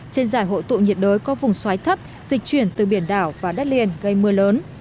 trên giải hộ tụ nhiệt đới có vùng xoáy thấp dịch chuyển từ biển đảo và đất liền gây mưa lớn